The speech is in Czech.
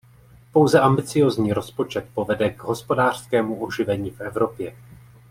Pouze ambiciozní rozpočet povede k hospodářskému oživení v Evropě.